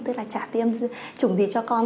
tức là trả tiêm chủng gì cho con